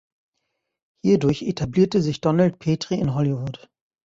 Hierdurch etablierte sich Donald Petrie in Hollywood.